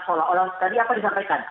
soal orang tadi apa disampaikan